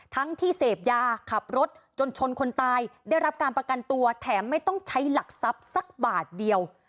ทั้งที่เสพยาขับรถจนชนคนตายได้รับการประกันตัวแถมไม่ต้องใช้หลักทรัพย์สักบาทเดียว